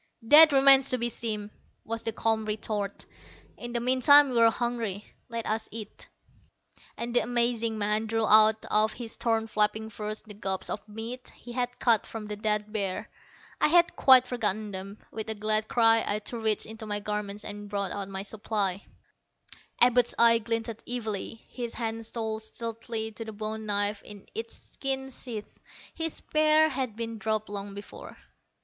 "That remains to be seen," was the calm retort. "In the meantime, we're hungry. Let us eat." And the amazing man drew out of his torn flapping furs the gobs of meat he had cut from the dead bear. I had quite forgotten them. With a glad cry, I too reached into my garments and brought out my supply. Abud's eyes glinted evilly. His hand stole stealthily to the bone knife in its skin sheath. His spear had been dropped long before.